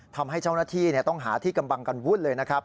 ทำให้เจ้าหน้าที่ต้องหาที่กำบังกันวุ่นเลยนะครับ